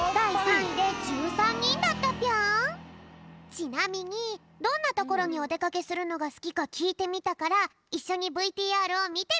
ちなみにどんなところにおでかけするのがすきかきいてみたからいっしょにＶＴＲをみてみよう！